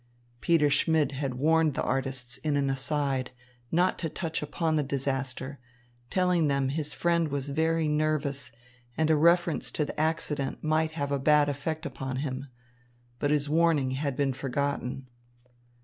Peter Schmidt had warned the artists in an aside not to touch upon the disaster, telling them his friend was very nervous and a reference to the accident might have a bad effect upon him. But his warning had been forgotten.